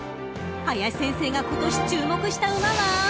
［林先生が今年注目した馬は？］